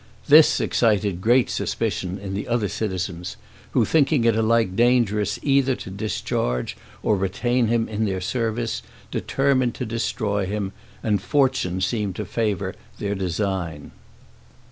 This excited great suspicion in the other citizens, who, thinking it alike dangerous either to discharge or retain him in their service, determined to destroy him, and fortune seemed to favor their design.